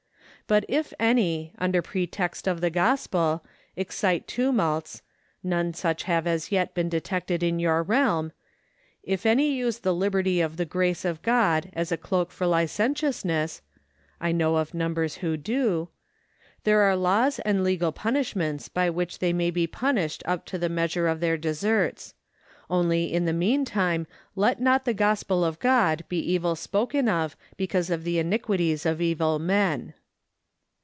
But if any, under pretext of the gospel, excite tumults (none such have as yet been detected in your realm), if any use the liberty of the grace of God as a cloak for licentiousness (I know of numbers who do), there are laws and legal punishments by which they may be punished up to the measure of their deserts; only in the mean time let not the gospel of God be evil spoken of because of the iniquities of evil men.